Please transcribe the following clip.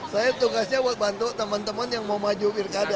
saya tugasnya buat bantu teman teman yang mau maju pilkada